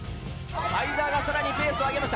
相澤がさらにペースを上げました。